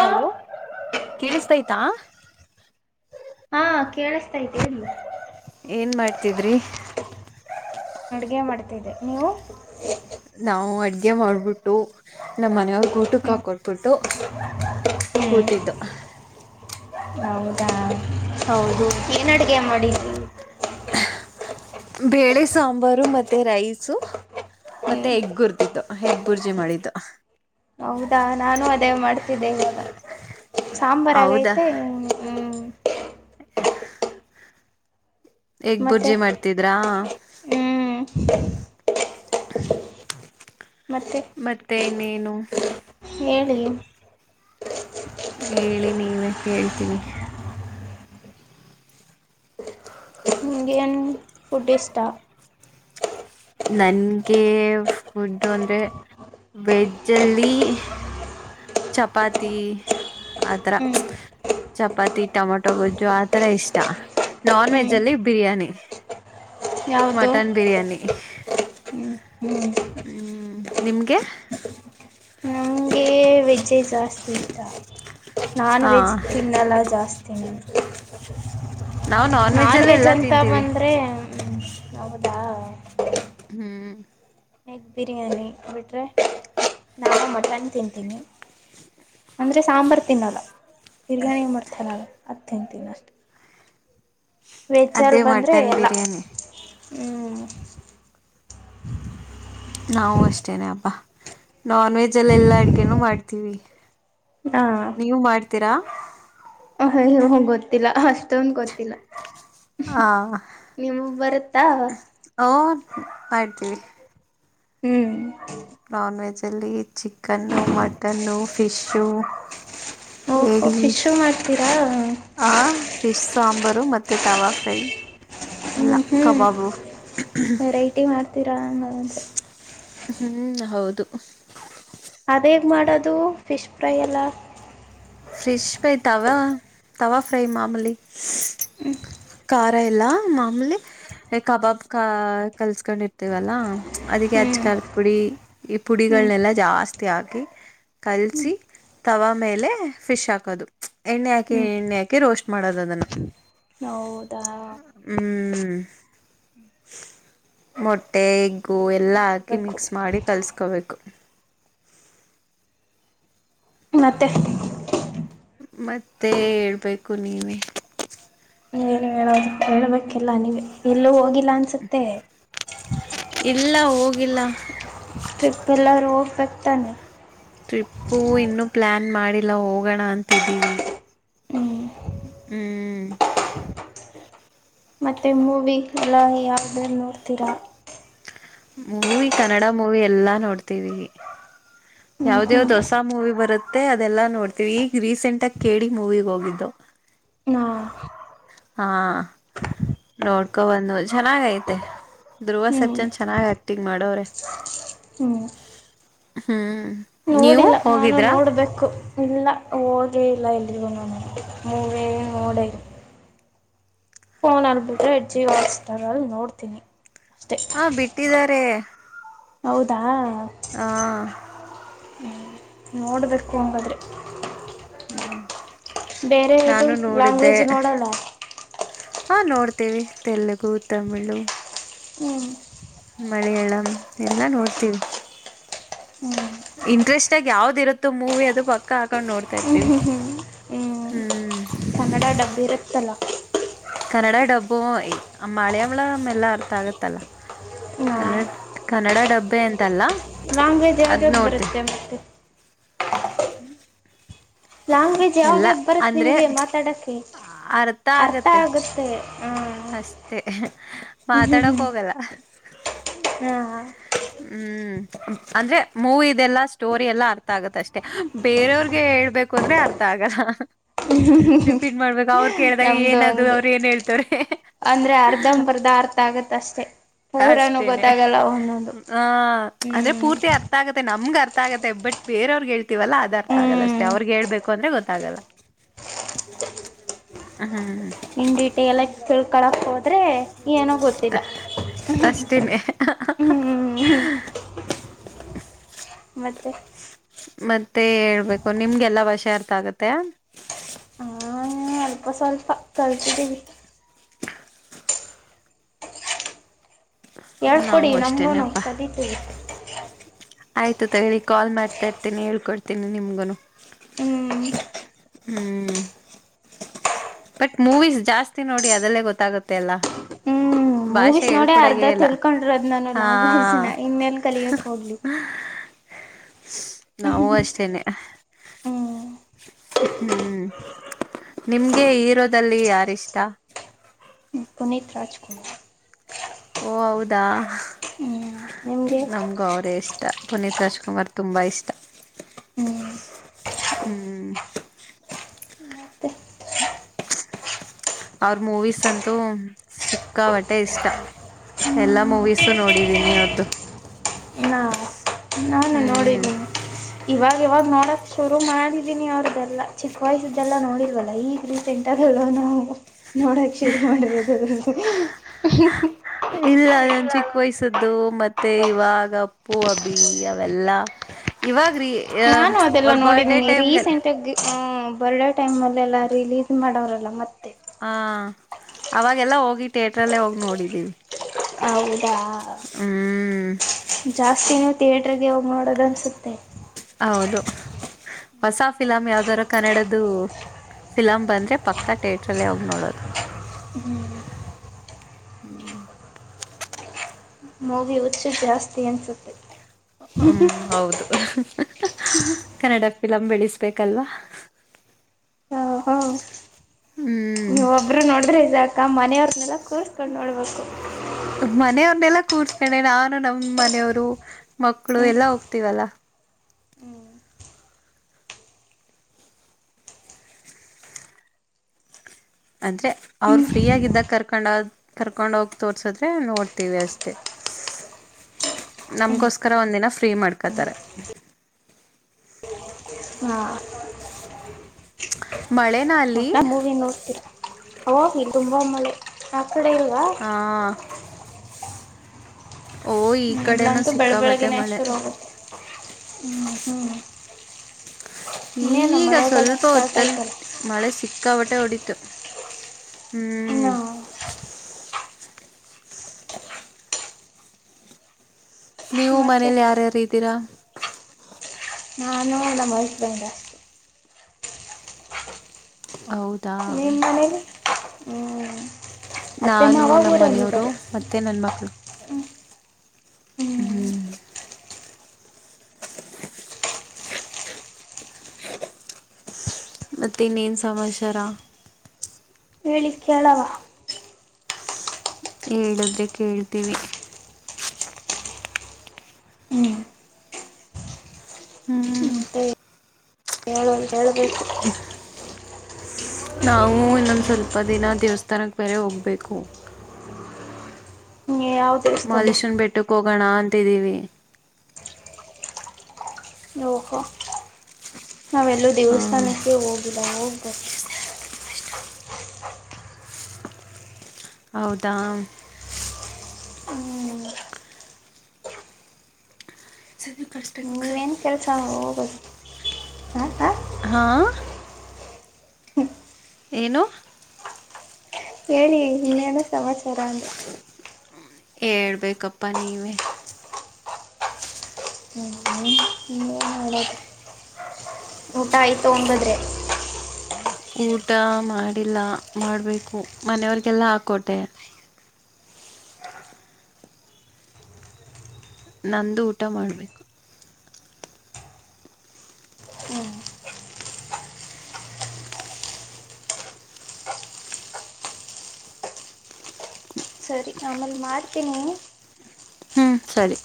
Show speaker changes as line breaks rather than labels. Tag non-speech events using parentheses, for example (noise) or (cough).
Hello ಕೇಳಿಸ್ತಯ್ತಾ.
ಹಾ ಕೇಳಿಸ್ಥಿತಿ ಹೇಳಿ.
ಏನ್ ಮಾಡ್ತಿದ್ರಿ.
ಅಡುಗೆ ಮಾಡ್ತಿದೆ ನೀವು.
ನಾವು ಅಡ್ಗೆ ಮಾಡ್ಬಿಟ್ಟು ನಮ್ಮ್ ಮನೆಯವ್ರ. ಊಟುಕ
ಹ್ಮ್
ಕೊಟ್ಬಿಟ್ಟು ಕೂತಿದ್ದು.
ಹೌದಾ
ಹೌದು
ಏನ್ ಅಡಗೆ ಮಾಡಿದ್ವಿ.
ಬೇಳೆ ಸಾಂಬಾರು ಮತ್ತೆ ರೈಸು. ಮತ್ತೆ
ಹ್ಮ್
ಎಗ್ ಹುರಿದಿದ್ದು ಎಗ್ ಬುರ್ಜಿ ಮಾಡಿದ್ದು.
ಹೌದಾ ನಾನು ಅದೇ ಮಾಡ್ತಿದ್ದೆವೆಗ
ಹೌದಾ
ಸಾಂಬಾರಗೈತೆ. ಹ್ಮ.
ಹ. ಎಗ್
ಮತ್ತೆ
ಬುರ್ಜಿ ಮಾಡ್ತಿದ್ರಾ.
ಹ್ಮ್.
(unintelligible)
ಮತ್ತೆ.
ಮತ್ತ ಇನ್ನೇನು.
ಹೇಳಿ.
ಹೇಳಿ ನೀವೇ ಕೇಳ್ತೀನಿ.
ಹಂಗೆನ್. ಫುಡ್ ಇಷ್ಟಾ.
ನನ್ಗೆ ಫುಡ್ ಅಂದ್ರೆ. ವೆಜ್ ಅಲ್ಲಿ. ಚಪಾತಿ ಆತರಾ.
ಹ್ಮ್
ಚಪಾತಿ ಟೊಮೊಟೊ ಗೊಜ್ಜು ಆತರ ಇಷ್ಟ ನಾನ್ ವೆಜ್
ಹ್ಮ್
ಅಲ್ಲಿ ಬಿರಿಯಾನಿ.
ಯಾವುದು
ಮಟನ್ ಬಿರಿಯಾನಿ.
ಹ್ಮ್ ಹ್ಮ್
ಹ್ಮ್ ನಿಮ್ಗೆ.
ವೆಜ್ಜೆ ಜಾಸ್ತಿ ಇಷ್ಟ ನಾನ್
ಹಾ
ವೆಜ್. ತಿನ್ನಲ್ಲ ಜಾಸ್ತಿ ನಾನು
ನಾವು
ನಾನ್
ಅಲ್ಲ
ವೆಜ್
ಎಲ್ಲಾ
ಅಂತ
ತಿಂತೀವಿ
ಬಂದ್ರೆ. ಹ್ಮ್ ಹೌದಾ.
ಹ್ಮ್.
ಎಗ್ ಬಿರಿಯಾನಿ ಬಿಟ್ರೆ ನಾನು ಮಟನ್ ತಿಂತೀನಿ. ಅಂದ್ರೆ ಸಾಂಬಾರ ತಿನ್ನಲ್ಲ ಬಿರಿಯಾನಿ ಮಾಡ್ತಾರಲ್ಲ ಅದ ತಿಂತೀನಿ ಅಷ್ಟೆ. ವೆಜಲ್
ಅದೇ
ಬಂದ್ರೆ
ಮಟನ್
ಎಲ್ಲ
ಬಿರಿಯಾನಿ
ಹ್ಮ್.
ನಾವು ಅಷ್ಟೇನೆ ಅಪ್ಪಾ ನಾನ್ ವೆಜ್ ಅಲ್ಲ ಎಲ್ಲಾ ಅಡ್ಗೆನು ಮಾಡ್ತೀವಿ.
ಹಾ
ನೀವು ಮಾಡ್ತೀರಾ?
ಅಯ್ಯೋ ಗೊತ್ತಿಲ್ಲ ಅಷ್ಟೊಂದು ಗೊತ್ತಿಲ್ಲ.
ಹಾ
ನಿಮಗ್ ಬರುತ್ತಾ
ಓ ಮಾಡ್ತೀವಿ.
ಹ್ಮ್
ನಾನ್ ವೆಜ್ ಅಲ್ಲಿ ಚಿ ಚಿಕನ್ನು ಮಟನ್ನು ಫಿಶು ಏಡಿ
ತೀರಾ.
ಆ ಫಿಶ್ ಸಾಂಬಾರು ಮತ್ತೆ ತವಾ ಫ್ರೈ. ಎಲ್ಲ
ಹ್ಮ್
ಕಬಾಬು
ವೆರೈಟಿ
(unintelligible)
ಮಾಡ್ತೀರಾ ಹಂಗಂದ್ರೆ
ಹ್ಮ್ ಹೌದು.
ಅದ ಹೇಗ್ ಮಾಡೋದು ಫಿಶ್ ಫ್ರೈ ಎಲ್ಲ?
Fish fry tawa tawa fry ಮಾಮೂಲಿ.
ಹ್ಮ
ಖಾರ ಎಲ್ಲ ಮಾಮೂಲಿ ಏ ಕಬಾಬ್ ಕ ಕಲ್ಸ್ಕೊಂಡಿರ್ತೇವಲ್ಲಾ ಅದಕ್ಕೆ ಅಚ್
ಹ್ಮ್
ಖಾರದಪುಡಿ ಪುಡಿ. ಈ
ಹ್ಮ್
ಪುಡಿಗಳನ್ನೆಲ್ಲ ಜಾಸ್ತಿ ಹಾಕಿ
ಹ್ಮ್
ಕಲ್ಸಿ ತವಾ ಮೇಲೆ ಫಿಶ್ ಹಾಕದು ಎಣ್ಣೆ ಹಾಕಿ
ಹ್ಮ್
ಎಣ್ಣೆ ಹಾಕಿ ರೋಸ್ಟ್ ಮಾಡೋದ ಅದನ್ನ.
ಹೌದಾ.
ಹ್ಮ್ ಮೊಟ್ಟೆ ಗೂ
ನಾನು
ಎಲ್ಲ ಹಾಕಿ
ಮಾಡ್ಬೇಕು
ಮಿಕ್ಸ್ ಮಾಡಿ ಕಲ್ಸ್ಕೋಬೇಕು.
ಮತ್ತೆ.
ಮತ್ತೆ ಹೇಳ್ಬೇಕು ನೀವೇ.
ಏನ್ ಹೇಳದು? ಹೇಳ್ಬೇಕೆಲ್ಲಾ ಎಲ್ಲಾ ನೀವೇ. ಎಲ್ಲೂ ಹೋಗಿಲ್ಲ ಅನ್ಸುತ್ತೆ.
ಇಲ್ಲ ಹೋಗಿಲ್ಲ
ಟ್ರಿಪ್ ಎಲ್ಲರ್ ಹೋಗ್ಬೇಕತಾನೆ.
ಟ್ರಿಪ್ಪು ಇನ್ನು ಪ್ಲಾನ್ ಮಾಡಿಲ್ಲ ಹೋಗಣ ಅಂತಿದ್ದೀವಿ.
ಹ್ಮ್
ಹ್ಮ್.
ಮತ್ತೆ ಮೂವಿ ಎಲ್ಲ ಯಾವ್ದ್ರಲ್ಲಿ ನೋಡ್ತೀರಾ?
ಮೂವಿ ಕನ್ನಡ ಮೂವಿ ಎಲ್ಲಾ ನೋಡ್ತೀವಿ
ಹ್ಮ್
ಯಾವ್ದ
ಹ್ಮ್
ಯಾವ್ದ ಹೊಸ ಮೂವಿ ಬರು ಮತ್ತೆ ಅದೆಲ್ಲಾ ನೋಡ್ತೀವಿ ಈಗ ರೀಸೆಂಟ್ ಆಗಿ ಕೆಡಿ ಮೂವಿಗ ಹೋಗಿದ್ದು.
ಹಾ
ಹಾ. ನೋಡ್ಕೋಬಂದು ಚೆನ್ನಾಗ್ ಐತೆ ಧ್ರುವ
ಹ್ಮ್
ಸರ್ಜನ್ ಚೆನ್ನಾಗ ಆಕ್ಟಿಂಗ್ ಮಾಡವ್ರೆ
ಹ್ಮ್
ಹ್ಮ್. ನೀವು
ನೋಡಿಲ್ಲ ನಾನು
ಹೋಗಿದ್ರಾ
ನೋಡ್ಬೇಕು. ಇಲ್ಲ ಹೋಗೆ ಇಲ್ಲ ಎಲ್ಲಿಗೂನು ನಾನ ಮೂವಿ ನೋಡೇ ಫೋನ್ ಅಲ್ಲಿಬಿಟ್ರೆ ಜಿಯೋ ಹಾಟ್ಸ್ಟರ್ ಅಲ್ಲಿ ನೋಡ್ತೀನಿ ಅಷ್ಟೇ.
ಹಾ ಬಿಟ್ಟಿದ್ದಾರೆ.
ಹೌದಾ.
ಹಾ.
ಹ್ಮ್, ನೋಡ್ಬೇಕು ಹಂಗಾದ್ರೆ
ಹ್ಮ್. (inaudible)
ಬೇರೆದದು ಲ್ಯಾಂಗ್ವೇಜ್ ನೋಡೋಲ್ಲ. (unintelligible)
ಹಾ, ನೋಡ್ತೀವಿ ತೆಲುಗು, ತಮಿಳು
ಹ್ಮ. (inaudible)
ಮಲಯಾಳಂ ಎಲ್ಲ ನೋಡ್ತೀವಿ.
ಹ್ಮ್ (inaudible)
ಇಂಟ್ರೆಸ್ಟ್ ಆಗಿ ಯಾವ್ದ್ ಇರುತ್ತೋ ಮೂವಿ ಅದು ಪಕ್ಕ ಹಾಕೊಂಡ್ ನೋಡ್ತಾ ಇರ್ತಿವಿ.
ಹ್ಞೂ
‌
ಹ್ಞೂ ಹ್ಞೂ
ಹ್ಮ್
ಕನ್ನಡ ಡಬ್ಬ (unintelligible) ಇರುತ್ತೆ. ತಲ. (inaudible)
ಕನ್ನಡ ಡಬ್ಬು ಮಲಯಾಳಂ ಎಲ್ಲ ಅರ್ಥ ಆಗತ್ತಲ್ಲ.
ಹಾಂ
ಕನ್ನಡ್ ಕನ್ನಡ ಡಬ್ಬೆ ಅಂತಲ್ಲ
ಲಾಂಗ್ವೇಜ್ ಯಾವುದು
ಅದ್
ಯಾವುದು ಬರುತ್ತೆ ಮತ್ತೆ.
ಹ್ಮ್. (inaudible)
ಲ್ಯಾಂಗ್ವೇಜ್ ಯಾವದ-ಯಾವದು ಬರುತ್ತೆ
ಅಂದ್ರೆ
ನಿಮ್ಗೆ ಮಾತಾಡಕ್ಕೆ. ಅರ್ಥ ಆಗತ್ತೆ
ಅಷ್ಟೇ ಮಾತಾಡಕ್ ಹೋಗಲ್ಲ.
ಹ್ಮ್ ಹ್ಮ. (inaudible)
ಹ್ಮ್, ಅಂದ್ರೆ ಮೂವಿ ಇದೆಲ್ಲಾ ಸ್ಟೋರಿ ಎಲ್ಲ ಅರ್ಥ ಆಗತ್ ಅಷ್ಟೇ ಬೇರೆಯವ್ರಗೆ ಹೇಳ್ಬೇಕು ಅಂದ್ರೆ ಅರ್ಥ ಅರ್ಥ ಆಗಲ್ಲ ಹ್ಮ, ಗೊತ್ತಾಗ ರಿಪೀಟ್ ಮಾಡ್ಬೇಕ ಅವ್ರ ಕೇಳ್ದಾಗ ಏನದು ಅವ್ರ ಏನ್ ಹೇಳ್ತವ್ರೆ
ಅಂದ್ರೆ ಅರ್ಧಂಬರ್ಧ ಅರ್ಥ ಆಗತ್ತ ಅಷ್ಟೇ. ಪೂರನೂ
ಅಷ್ಟೇನೆ
ಗೊತ್ತಾಗಲ್ಲ ಒಂದೊಂದು
ಹ
ಹ್ಞೂ
ಅಂದ್ರೆ ಪೂರ್ತಿ ಅರ್ಥ ಅರ್ಥ ಆಗತ್ತ ನಮ್ಗ್ ಅರ್ಥ ಆಗುತ್ತೆ ಬಟ್ ಬೇರವ್ರಿಗೆ ಹೇಳ್ತವಲ್ಲ ಅರ್ಥಗಲ್ಲ ಅಷ್ಟೇ
ಹ್ಞೂ
ಅವ್ರಿಗೆ ಹೇಳ್ಬೇಕು ಅಂದ್ರೆ ಗೊತ್ತಾಗಲ್ಲ. ಹಾ (inaudible)
ಇ ಡೀಟೇಲ್ ತಿಳ್ಕಳಕ್ ಹೋದ್ರೆ ಏನೋ ಗೊತ್ತಿಲ್ಲ.
ತಮ್ಮ
ಹ್ಞೂ
(unintelligible)
ಹ್ಞೂ ಹ್ಞೂ ಮತ್ತೆ-
ಮತ್ತೆ ಹೇಳ್ಬೇಕು ನಿಮ್ಗೆಲ್ಲ ಭಾಷೆ ಅರ್ಥ ಆಗತ್ತೆ.
ಸ್ವಲ್ಪ ಸ್ವಲ್ಪ ಕಲ್ಸಿದ್ದವಿ. ಹೇಳ್ಕೊಡಿ
ನಾವು
ನಮಗೂನು
ಅಷ್ಟೇನೆಪ್ಪಾ
ಕಲಿತೀವಿ.
ಆಯ್ತು ತಡಿ ಕಾಲ್ಮಾಡ್ತಾ ಇರ್ತನಿ ಹೇಳ್ಕೊಡ್ತೀನಿ ನಿಮ್ಗುನು.
ಹ್ಮ್
ಹ್ಮ್, ಬಟ್ ಮೂವೀಸ್ ಜಾಸ್ತಿ ನೋಡಿ ಅದರಲ್ಲೇ ಗೊತ್ತಾಗುತ್ತೆ ಅಲ್ಲಾ.
ಹ್ಮ್
ಭಾಷೆ
ಮೂವೀಸ್ ನೋಡೇ ಅರ್ಧ
ಹೇಳ್ಕೊಡದೆಇಲ್ಲ
ತಿಳ್ಕೊಂಡಿರೋದು ನಾನು
ಹಾ
ಲಾಂಗ್ವೇಜ್ನ ಇನ್ನೆಲ್ಲಿ ಕಲಿಯಕ್ಕೆ ಹೋಗ್ಲಿ
ನಾವುಅಷ್ಟೇನೆ
ಹ್ಮ್
ಹ್ಮ್, ನಿಮ್ಗೆ ಹಿರೋದಲ್ಲಿ ಯಾರಿಷ್ಟ?
ಪುನೀತ್ ರಾಜ್ಕುಮಾರ್
ಓ ಹೌದಾ!
ಹ್ಮ್ ನಿಮಗೆ
ನಮ್ಗೂ ಅವರೇ ಇಷ್ಟ. ಪುನೀತ್ ರಾಜ್ಕುಮಾರ್ ತುಂಬಾ ಇಷ್ಟ.
ಹ್ಮ್
ಹ್ಮ್
ಮತ್ತೆ (inaudible)
ಅವ್ರ ಮೂವೀಸ್ ಅಂತೂ ಸಿಕ್ಕ ಪಟ್ಟೆ ಇಷ್ಟ. ಎಲ್ಲಾ ಮೂವೀಸು ನೋಡಿದೀನಿ ಅವ್ರ್ದು.
ನಾ (inaudible) ನಾನು
ಹ್ಮ್,
ನೋಡಿದ್ದೀನಿ ಇವಾಗ ಇವಾಗ ನೋಡಕ್ ಶುರು ಮಾಡಿದೀನಿ. ಅವ್ರದ್ದೆಲ್ಲ ಚಿಕ್ಕ ವಯಸ್ಸ್ದೆಲ್ಲಾ ನೋಡಿರ್ವಲ್ಲ ಈಗ ರೀತಿ ಸೆಂಟರ್ಲ್ಲ ನಾವು ನೋಡಕ್ ಶುರು ಮಾಡರದು (unintelligible)
ಇಲ್ಲಾ ಚಿಕ್ಕ ವಯಸ್ದು ಮತ್ತೆ ಇವಾಗ ಅಪ್ಪು, ಅಬಿ ಅವೆಲ್ಲಾ ಇವಾಗ್ರೀ ಅವ್ರ ಬರ್ಡೇ ಟೈಮ್ಗೆಲ್
ಹ, ಬರ್ಡೆೇ ಟೈಮ್ಲ್ಲೆಲ್ಲ ರಿಲೀಸ್ ಮಾಡೋರಲ್ಲ ಮತ್ತೆ
ಹ, ಅವಾಗೆಲ್ಲ ಹೋಗಿ ಥಿಯೇಟ್ರಲ್ಲೇ ಹೋಗಿ ನೋಡಿದ್ದೀವಿ.
ಹೌದಾ,
ಹ್ಮ್
ಜಾಸ್ತಿ ನೀವು ಥಿಯೇಟರ್ಗೆ ಹೋಗಿ ನೋಡೋದ ಅನ್ಸುತ್ತೆ.
ಹೌದು, ಹೊಸಾ ಫಿಲಮ್ ಯಾವ್ದಾರ ಕನ್ನಡದ್ದು. ಫಿಲಮ್ ಬಂದರೆ ಪಕ್ಕ ಥೇಟ್ರಲ್ಲ ಹೋಗಿ ನೋಡೋದು.
ಮೂವಿ ಹುಚ್ಚು ಜಾಸ್ತಿ ಅನಿಸುತ್ತೆ.
ಹ್ಮ್, ಹೌದು ಕನ್ನಡ ಫಿಲಂ ಬೆಳಸ್ಬೇಕಲ್ವಾ.
ಹ, ಹ
ಹ್ಮ್
ನೀವ ಒಬ್ರು ನೋಡ್ರಿ ಇದಾಕ ಮನೆಯವ್ರನೆಲ್ಲ ತೋರ್ರಿಸ್ಕೊಂಡು ನೋಡಬೇಕು.
ಮನೆಯವರನ್ನೆಲ್ಲ ಕೂರ್ಸಿತಿನಿನಾನು ನಮ್ ಮನೆಯವರು ಮಕ್ಕಳು
ಹ್ಞೂ
ಎಲ್ಲಾ ಹೋಗ್ತೀವಲ್ಲ. ಅಂದ್ರೆ ಅವ್ರ ಫ್ರೀ ಆಗಿದ್ದಾಗ ಕರ್ಕೊಂಡ ಕರ್ಕೊಂಡ ಹೋಗಿ ತೋರ್ಸದ್ರೆ ನೋಡ್ತೀವಿ ಅಷ್ಟೆ, ನಮಗೋಸ್ಕರ ಒಂದಿನ ಫ್ರೀ ಮಾಡ್ಕೊಳ್ತಾರೆ.
ಹಾ,
ಮಳೆ
ಒಟ್ ಮೂವಿ ನೋಡ್ತೀರ ಅವೋಗ ತುಂಬ ಮಳೆ ಆ ಕಡೆ ಇಲ್ವಾ
ಹಾ,
(unintelligible)
ಓ ಈ
ಹ್ಮ್,
ಕಡೆನೂ
ಇಲ್ಲಂತೂ ಬೆಳ
ಸಿಕ್ಕಾಬಟ್ಟೆ
ಬೆಳಗ್ಗಿನೇ
ಮಳೆ
ಶುರುಹಾಗುತ್ತೆ ಹ್ಮ್, ಹ್ಮ್
ಈಗ ಸ್ವಲ್ಪ ಹೊತ್ತಲ್
ಆಯ್ತಲ್ಲ
ಮಳೆ ಸಿಕ್ಕಾಪಟ್ಟೆ ಹೊಡಿತು.
ನ
ಹ್ಮ್
(inaudible)
ನೀವು
ಮತ್ತೆ
ಮನೇಲಿ ಯಾರ್ಯಾರು ಇದ್ದೀರಾ
ನಾನು ನಮ್ಮ ಹಸ್ಬೆಂಡ್
ಹೌದಾ
ನಿಮ್ಮ ಮನೆಯಲ್ಲಿ ಹ್ಮ್
ನಾನು ನಮ್ಮ ಮನೆಯವರು ಮತ್ತೆ ನನ್ನ ಮಕ್ಕಳು
ಹ್ಞೂ
ಹ್ಮ್ ಮತ್ತೆ ಇನ್ನೇನ್ ಸಮಾಚಾರ
ಹೇಳಿ ಕೇಳವಾ (unintelligible)
ಹೇಳದ್ರೆ ಕೇಳ್ತೀವಿ
ಹ್ಞೂ
ಹ್ಮ್
ಹೇಳ ಹೇಳ್ಬು (unintelligible)
ನಾವು ಇನ್ನೊಂದ್ ಸ್ವಲ್ಪ ದಿನ ದೇವಸ್ಥಾನಕ್ ಬೇರೆ ಹೋಗ್ಬೇಕು.
ಈ ಯಾವದು (unintelligible)
ಮಹಾದೇಶ್ವ ಬೆಟ್ಟಕ್ ಹೋಗೋಣ ಅಂತಿದ್ದೀವಿ.
ಯ ಹ (unintelligible) ನಾವೆಲ್ಲೂ
ಹಾಂ
ದೇವಸ್ಥಾನಕ್ಕೆ ಹೋಗಿಲ್ಲ ಹೋಗ್ಬೇಕ
ಹೌದಾ
ಹ್ಞೂ
ಸ ಕಲಿಸಬೇಕು
ನೀವೇನು ಕೆಲಸ ಹೋಗೋದು ಹಾಂ ಹಾಂ
ಹಾ (unintelligible) ಏನು?
ಎನ್, ಎನು? ಏನ ಸಮಾಚಾರ ಅಂದೆ (unintelligible)
ಹೇಳ್ಬೇಕಪ್ಪ ನೀವೇ.
(unintelligible) ಊಟ ಆಯ್ತು ಹಂಗದ್ರೆ?
ಊಟ ಮಾಡಿಲ್ಲ ಮಾಡಬೇಕು ಮನೆಯವ್ರಿಗೆಲ್ಲ ಹಾಕೊಟ್ಟೆ. ನಂದು ಊಟ ಮಾಡ್ಬೇಕು.
ಸರಿ ಆಮೇಲೆ ಮಾಡ್ತೀನಿ.
ಹೂಂ ಸರಿ